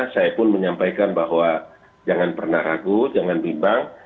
saya pun menyampaikan bahwa jangan pernah ragu jangan bimbang